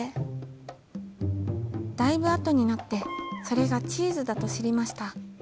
だいぶ後になってそれがチーズだと知りました。